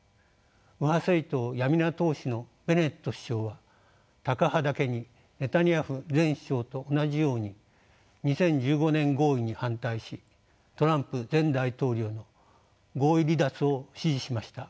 右派政党「ヤミナ」党首のベネット首相はタカ派だけにネタニヤフ前首相と同じように２０１５年合意に反対しトランプ前大統領の合意離脱を支持しました。